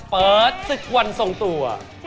เปิดศึกวันทรงตัว